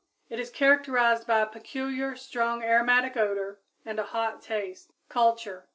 It is characterized by a peculiar, strong aromatic odor, and a hot taste. _Culture.